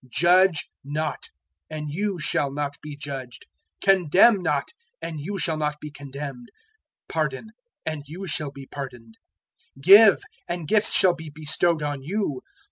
006:037 "Judge not, and you shall not be judged; condemn not, and you shall not be condemned; pardon, and you shall be pardoned; 006:038 give, and gifts shall be bestowed on you.